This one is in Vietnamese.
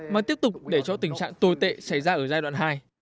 mà tiếp tục để cho tình trạng tồi tệ xảy ra ở giai đoạn hai